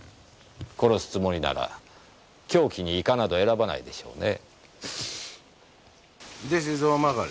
殺すつもりなら凶器にイカなど選ばないでしょうね。